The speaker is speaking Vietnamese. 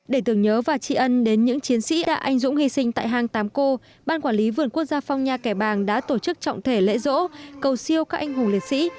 để tưởng nhớ và tri ân đến những chiến sĩ đã anh dũng hy sinh tại hang tám cô ban quản lý vườn quốc gia phong nha kẻ bàng đã tổ chức trọng thể lễ rỗ cầu siêu các anh hùng liệt sĩ